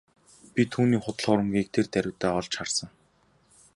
Би түүний худал хуурмагийг тэр даруйдаа олж харсан.